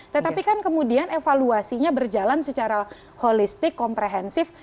tetapi kan kemudian evaluasinya berjalan secara holistik komprehensif